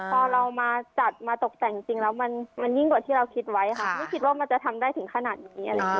พอเรามาจัดมาตกแต่งจริงแล้วมันยิ่งกว่าที่เราคิดไว้ค่ะไม่คิดว่ามันจะทำได้ถึงขนาดนี้อะไรอย่างนี้